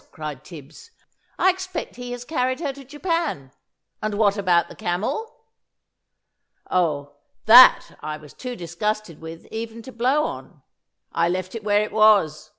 cried Tibbs. "I expect he has carried her to Japan. And what about the Camel?" "Oh, that I was too disgusted with even to blow on. I left it where it was.